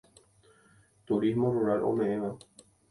Turismo rural ome'ẽva.